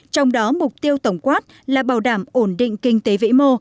trong đó mục tiêu tổng quát là bảo đảm ổn định kinh tế vĩ mô